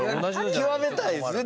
極めたいですね。